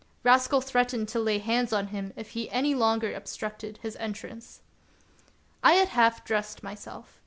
Rascal threatened to lay hands on him if he any longer obstructed his entrance. I had half dressed myself.